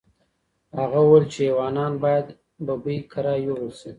هغه وویل چې ایوانان باید ببۍ کره یوړل شي.